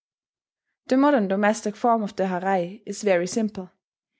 The modern domestic form of the harai is very simple.